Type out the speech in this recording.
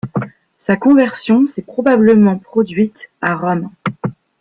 Sa conversion s'est probablement produite à Rome.